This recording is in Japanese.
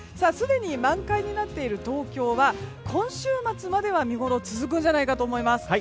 すでに、満開になっている東京は今週末までは見ごろが続くんじゃないかと思います。